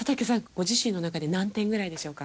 ご自身の中で何点ぐらいでしょうか？